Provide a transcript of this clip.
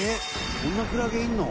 こんなクラゲいるの？」